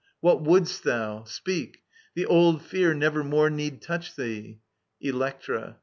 What wouldst thou i Speak ; the dd fear nevermore Need touch thee. Electra.